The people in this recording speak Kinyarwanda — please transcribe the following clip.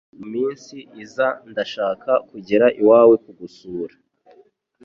mu minsi iza ndashaka kugera iwawe kugusura